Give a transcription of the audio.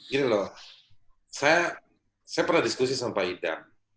gini loh saya pernah diskusi sama pak ida